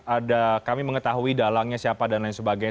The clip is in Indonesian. ada kami mengetahui dalangnya siapa dan lain sebagainya